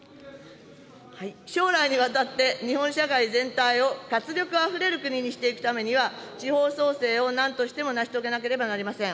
将来にわたって、日本社会全体を活力あふれる国にしていくためには、地方創生をなんとしても成し遂げなければなりません。